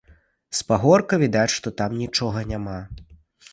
З пагорка відаць, што там нічога няма.